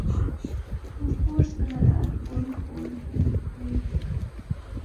Wofford's colors are old gold and black.